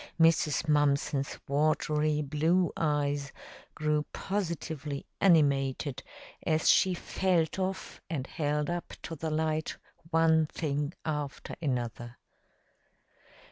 Mrs. Mumpson's watery blue eyes grew positively animated as she felt of and held up to the light one thing after another.